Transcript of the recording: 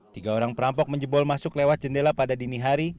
tiga orang perampok menjebol masuk lewat jendela pada dini hari